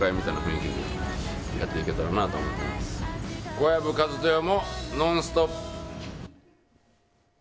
小籔千豊も「ノンストップ！」。